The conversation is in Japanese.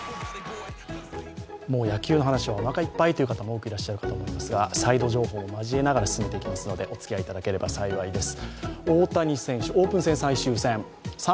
もう野球の話はおなかいっぱいという方も多くいらっしゃると思いますがサイド情報も交えながら進めていきますのでお付き合いいただければ幸いです。